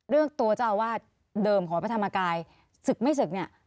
เรื่องตัวเจ้าอาวาสเดิมของพระธรรมกายศึกไม่ศึกเนี่ย